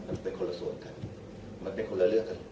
มันเป็นคนละส่วนกันมันเป็นคนละเรื่องกัน